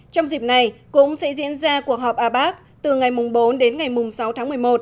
trong dịp này cũng sẽ diễn ra cuộc họp a bác từ ngày bốn đến ngày sáu tháng một mươi một